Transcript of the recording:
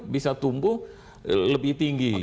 bisa tumbuh lebih tinggi